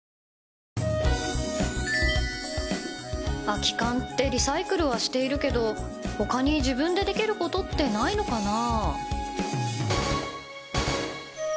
空き缶ってリサイクルはしているけど他に自分でできることってないのかな？